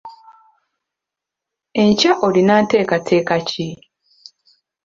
Enkya olina nteekateeka ki?